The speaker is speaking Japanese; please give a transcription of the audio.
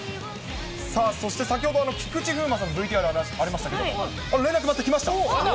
そして先ほど、菊池風磨さん、ＶＴＲありましたけれども、連絡来ました。